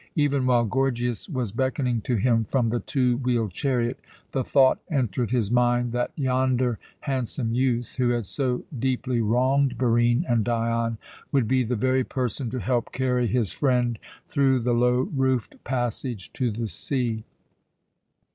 Even while Gorgias was beckoning to him from the two wheeled chariot, the thought entered his mind that yonder handsome youth, who had so deeply wronged Barine and Dion, would be the very person to help carry his friend through the low roofed passage to the sea.